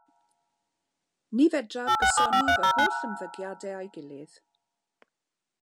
Ni fedraf gysoni fy holl ymddygiadau â'i gilydd.